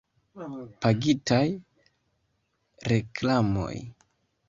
Pagitaj reklamoj.